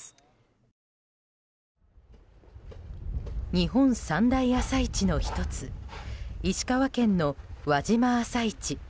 日本三大朝市の１つ石川県の輪島朝市。